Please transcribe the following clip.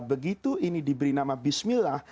begitu ini diberi nama bismillah